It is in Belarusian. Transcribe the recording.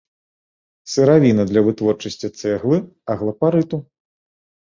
Сыравіна для вытворчасці цэглы, аглапарыту.